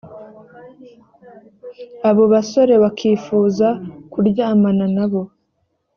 abo basore bakifuza kuryamana na bo